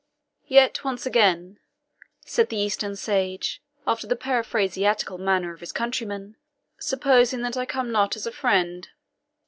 "Yet once again," said the Eastern sage, after the periphrastical manner of his countrymen, "supposing that I come not as a friend?"